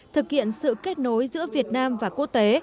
thực hiện sự kết nối giữa việt nam và quốc tế